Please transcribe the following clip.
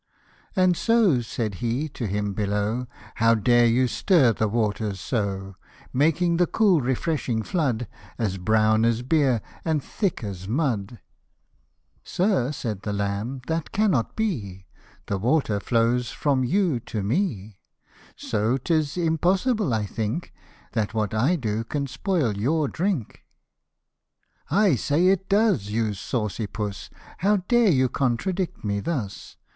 ' t And so," said he to him below, " How dare you stir the water so ? Making the cool refreshing flood As brown as beer, and thick as mud." Tlie Wolf the Lamb. Tlir hoasts ill Fartiiersliip. 75 " Sir," said the lamb, " that cannot be, The water flows from you to me ; So, 'tis impossible, I think, That what I do can spoil your drink." '' I say it does, you saucy puss : How dare you contradict me thus